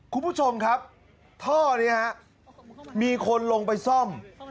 คุณผู้ชมครับท่อนี้ฮะมีคนลงไปซ่อม